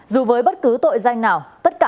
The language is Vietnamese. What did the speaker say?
dù với bất cứ tội danh nào tất cả các đối tượng vi phạm